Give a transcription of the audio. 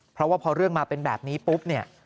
เพราะว่าพอเรื่องมาเป็นแบบนี้ปุ๊บเนี่ย